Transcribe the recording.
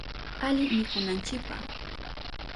Ali mikunanchipa.